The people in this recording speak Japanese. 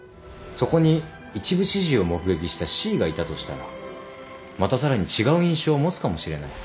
そこに一部始終を目撃したＣがいたとしたらまたさらに違う印象を持つかもしれない。